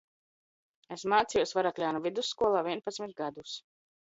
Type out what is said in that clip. Es mācījos Varakļānu vidusskolā vienpadsmit gadus.